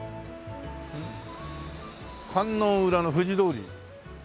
観音裏の富士通り。